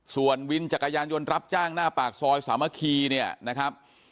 ส่วนวินจักรยานยนต์รับจ้างหน้าปากซอยสามัคคีเนี่ยนะครับ